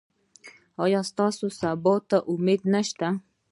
ایا ستاسو سبا ته امید شته؟